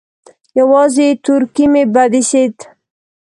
يوازې تورکى مې بد اېسېد.